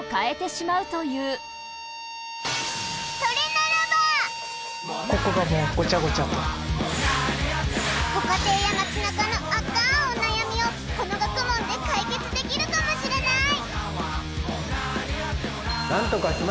その理論はご家庭や街なかのアカンお悩みをこの学問で解決できるかもしれない！